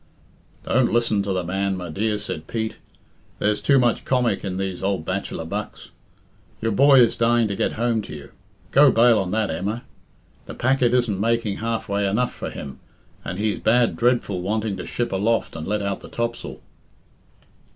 "Don't listen to the man, my dear," said Pete. "There's too much comic in these ould bachelor bucks. Your boy is dying to get home to you. Go bail on that, Emma. The packet isn't making half way enough for him, and he's bad dreadful wanting to ship aloft and let out the topsail."